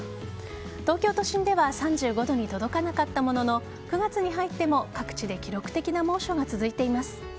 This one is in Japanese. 東京都心では３５度に届かなかったものの９月に入っても各地で記録的な猛暑が続いています。